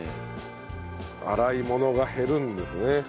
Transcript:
洗い物が減るんですね。